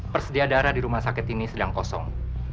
persedia darah di rumah sakit ini sedang kosong